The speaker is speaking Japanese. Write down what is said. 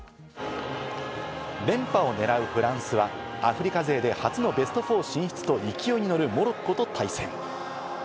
連覇を狙うフランスはアフリカ勢で初のベスト４進出と勢いに乗るモロッコと対戦。